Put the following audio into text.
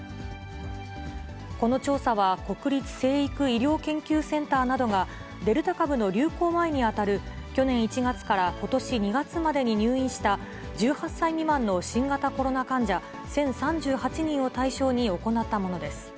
この調査は、国立成育医療研究センターなどがデルタ株の流行前に当たる、去年１月からことし２月までに入院した、１８歳未満の新型コロナ患者１０３８人を対象に行ったものです。